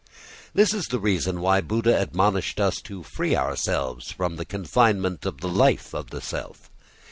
This is the reason why Buddha admonished us to free ourselves from the confinement of the life of the self.